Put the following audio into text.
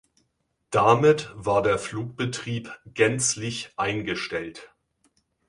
Damit war der Flugbetrieb gänzlich eingestellt.